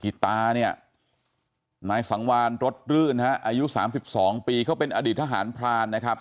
ตาเนี่ยนายสังวานรถรื่นฮะอายุ๓๒ปีเขาเป็นอดีตทหารพรานนะครับ